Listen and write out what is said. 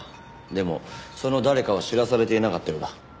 でもその誰かは知らされていなかったようだ。